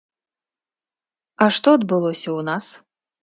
А што адбылося ў нас?